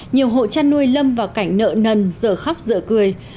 nhiều hộ chăn nuôi lâm vào cảnh nợ nần dở khóc dở cười